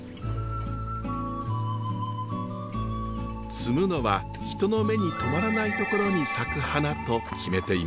摘むのは人の目にとまらないところに咲く花と決めています。